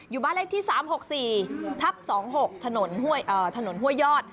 อยู่บ้านเล็กที่๓๖๔ทัพ๒๖ถนนห้วยยอด